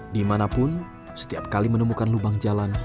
dimanapun setiap kali menemukan lubang jalan